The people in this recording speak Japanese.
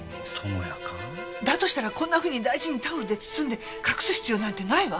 だとしたらこんなふうに大事にタオルで包んで隠す必要なんてないわ。